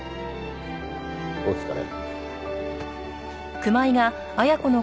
お疲れ。